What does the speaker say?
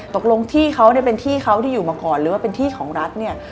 ตกลงที่เขาเนี่ยเป็นที่เขาที่อยู่มาก่อนหรือว่าเป็นที่ของรัฐเนี่ย